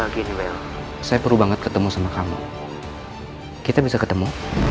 gini saya perlu banget ketemu sama kamu kita bisa ketemu